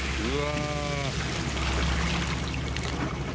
うわ。